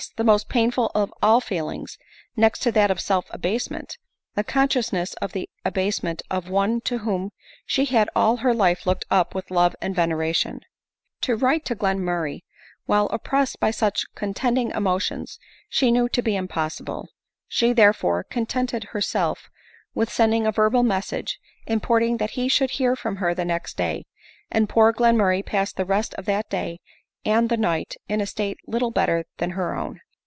the most painful of all feelings, next to that of self abasement — the consciousness of the abasement of one to whom she had all her life looked up with love and veneration .. ADELINE MOWBRAY. 57 To write to Glenmurray while oppressed by such contend ing emotions she knew to be impossible ; she, therefore, contented herself with sending a verbal message, import ing that he should hear from her the next day; and poor Glenmurray passed the rest of that day and the night in a state little better than her own.